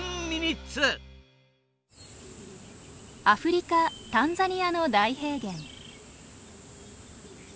アフリカタンザニアの大平原。